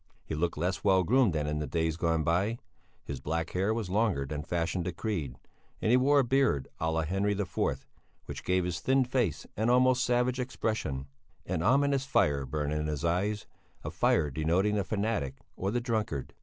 He looked less well groomed than in days gone by; his black hair was longer than fashion decreed, and he wore a beard à la Henri IV, which gave his thin face an almost savage expression. An ominous fire burned in his eyes, a fire denoting the fanatic or the drunkard.